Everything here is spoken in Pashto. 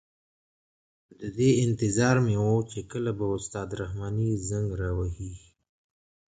د دې انتظار مې وه چې کله به استاد رحماني زنګ را وهي.